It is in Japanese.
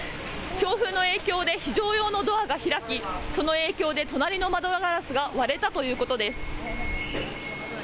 強風の影響で非常用のドアが開きその影響で隣の窓ガラスが割れたということです。